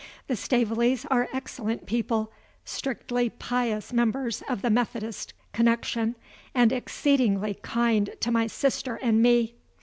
The Staveleys are excellent people strictly pious members of the Methodist Connection and exceedingly kind to my sister and me.